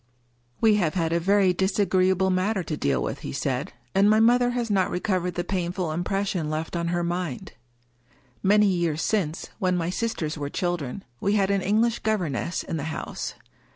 " We have had a very disagreeable matter to deal with," he said; "and my mother has not recovered the painful impression left on her mind. Many years since, when my sisters were children, we had an English governess in the house.